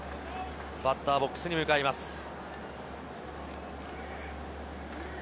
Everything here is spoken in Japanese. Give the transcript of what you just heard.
バッターボックスに向かいます。